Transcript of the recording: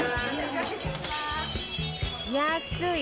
安い！